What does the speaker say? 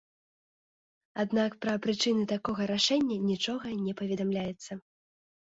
Аднак пра прычыны такога рашэння нічога не паведамляецца.